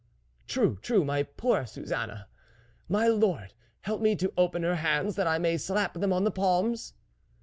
" True, true, my poor Suzanne ! My lord, help me to open her hands, that I may slap them on the palms."